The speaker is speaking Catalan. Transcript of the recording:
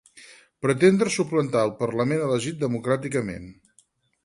Pretendre suplantar el parlament elegit democràticament.